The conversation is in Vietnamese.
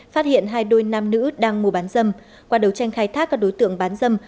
phát hiện hai đôi nam nữ đang mua bán dâm qua đấu tranh khai thác các đối tượng bán dâm